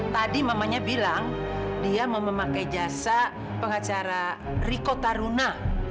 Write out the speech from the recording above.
tadi mamanya bilang dia mau memakai jasa pengacara riko taruna